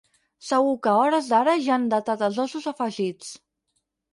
Segur que a hores d'ara ja han datat els ossos afegits.